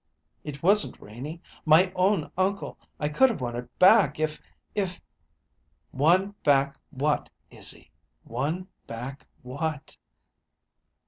"It wasn't, Renie my own uncle! I could have won it back if if " "Won back what, Izzy won back what?"